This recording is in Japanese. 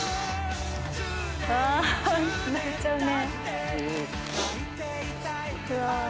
あ泣いちゃうね。